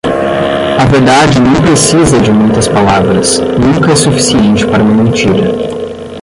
A verdade não precisa de muitas palavras, nunca é suficiente para uma mentira.